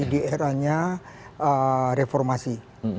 di eranya reformasi